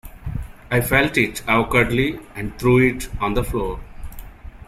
I felt it awkwardly, and threw it on the floor.